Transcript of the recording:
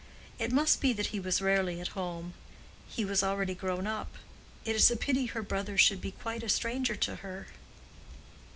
It must be that he was rarely at home. He was already grown up. It is a pity her brother should be quite a stranger to her."